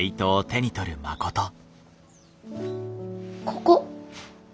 ここ。